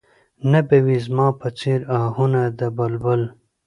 نه به وي زما په څېر اهونه د بلبل